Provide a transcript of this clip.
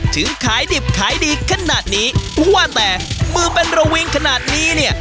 ถึงขายดิบขายดีขนาดนี้ว่าแต่มือเป็นระวิงขนาดนี้เนี่ย